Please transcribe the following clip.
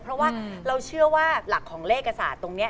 เพราะว่าเราเชื่อว่าหลักของเลขศาสตร์ตรงนี้